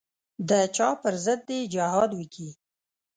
د چا پر ضد دې جهاد وکي.